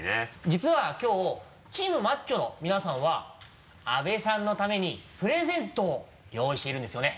実はきょうチームマッチョの皆さんは阿部さんのためにプレゼントを用意しているんですよね。